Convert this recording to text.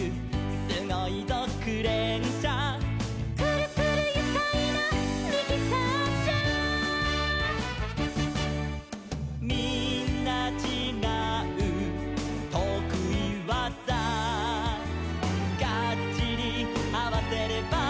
「すごいぞクレーンしゃ」「くるくるゆかいなミキサーしゃ」「みんなちがうとくいわざ」「ガッチリあわせれば」